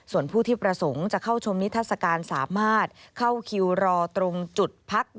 ส่วนผู้ที่ประสงค์จะเข้าชมนิทัศกาลสามารถเข้าคิวรอตรงจุดพัก